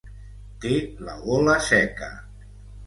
Té la gola seca.